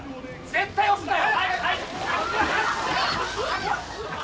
絶対押すなよ！